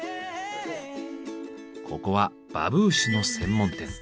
ここはバブーシュの専門店。